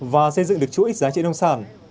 và xây dựng được chú ích giá trị nông sản